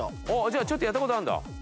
じゃあちょっとやった事あるんだ。